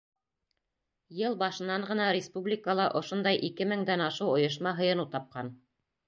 Йыл башынан ғына республикала ошондай ике меңдән ашыу ойошма һыйыныу тапҡан.